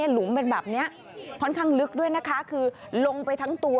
หลุมเป็นแบบนี้ค่อนข้างลึกด้วยนะคะคือลงไปทั้งตัว